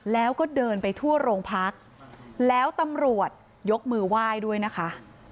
แล้วก็เดินไปทั่วโรงพักแล้วตำรวจยกมือไหว้ด้วยนะคะ